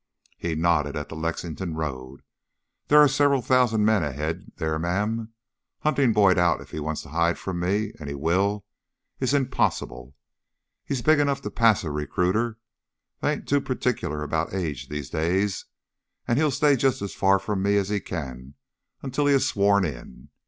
He nodded at the Lexington road. "There are several thousand men ahead there, ma'am. Hunting Boyd out if he wants to hide from me and he will is impossible. He's big enough to pass a recruiter; they ain't too particular about age these days. And he'll stay just as far from me as he can until he is sworn in.